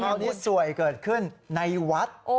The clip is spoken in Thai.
คราวนี้สวยเกิดขึ้นในวัด